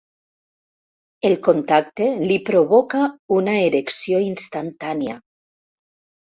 El contacte li provoca una erecció instantània.